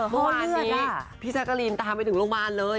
เมื่อวานนี้พี่แจ๊กกะรีนตามไปถึงโรงพยาบาลเลย